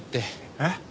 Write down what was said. えっ？